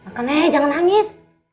makan eh jangan nangis